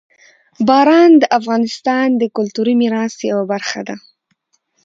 باران د افغانستان د کلتوري میراث یوه برخه ده.